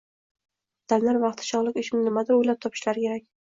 odamlar vaqti chog‘lik uchun nimadir o‘ylab topishlari kerak!